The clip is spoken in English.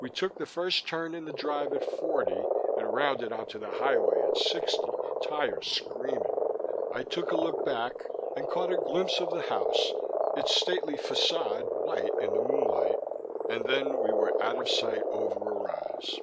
We took the first turn in the drive at forty, and rounded onto the highway at sixty, tires screaming. I took a look back and caught a glimpse of the house, its stately façade white in the moonlight and then we were out of sight over a rise.